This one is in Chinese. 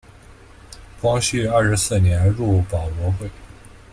光绪二十四年入保国会。